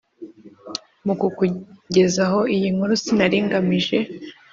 mu kukugezaho iyi nkuru sinari ngamije